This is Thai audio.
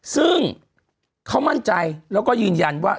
ซึ่งเขามั่นใจแล้วก็ยืนยันว่า